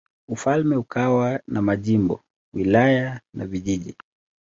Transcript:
Ufalme ukawa na majimbo, wilaya na vijiji.